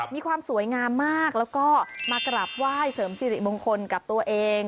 มีความสวยงามมากแล้วก็มากราบไหว้เสริมสิริมงคลกับตัวเอง